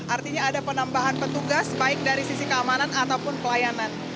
artinya ada penambahan petugas baik dari sisi keamanan ataupun pelayanan